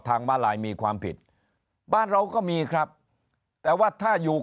มาลายมีความผิดบ้านเราก็มีครับแต่ว่าถ้าอยู่